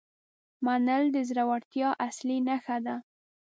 منل د زړورتیا اصلي نښه ده.